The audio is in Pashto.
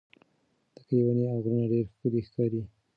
د کلي ونې او غرونه ډېر ښکلي ښکاري.